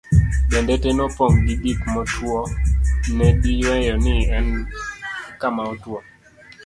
dende te nopong' gi gik motuwo nediweyo ni en kama otwo